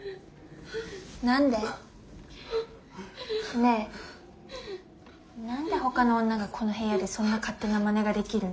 ねえなんで他の女がこの部屋でそんな勝手なマネが出来るの？